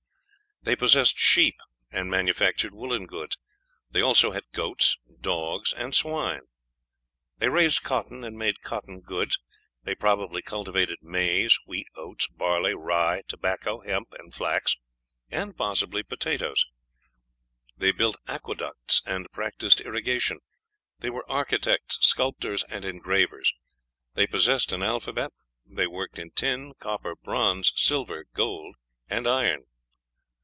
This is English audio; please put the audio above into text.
They possessed sheep, and manufactured woollen goods; they also had goats, dogs, and swine. They raised cotton and made cotton goods; they probably cultivated maize, wheat, oats, barley, rye, tobacco, hemp, and flax, and possibly potatoes; they built aqueducts and practised irrigation; they were architects, sculptors, and engravers; they possessed an alphabet; they worked in tin, copper, bronze, silver, gold, and iron.